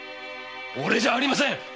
おれじゃありません！